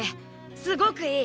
すごくいい。